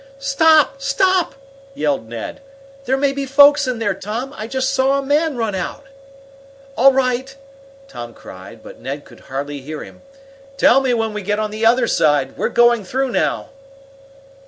"Stop! Stop!" yelled Ned. "There may be folks in there, Tom! I just saw a man run out!" "All right!" Tom cried, though Ned could hardly hear him. "Tell me when we get on the other side! We're going through now!"